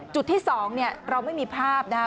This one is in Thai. จุดที่๒เนี่ยเราไม่มีภาพนะ